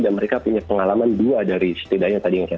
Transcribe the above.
dan mereka punya pengalaman dua dari setidaknya yang tadi saya sampaikan